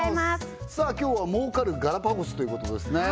さあ今日は儲かるガラパゴスということですね